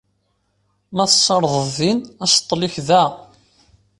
Ma tessardeḍ din, aṣeṭṭel-ik da.